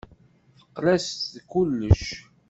Teqqel-as d kullec.